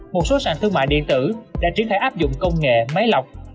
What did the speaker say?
một số sàn thương mại điện tử đã triển khai áp dụng công nghệ máy lọc